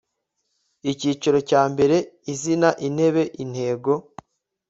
icyiciro cya mbere izina intebe intego